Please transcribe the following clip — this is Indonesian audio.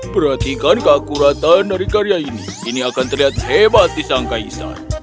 perhatikan keakuratan dari karya ini ini akan terlihat hebat di sang kaisar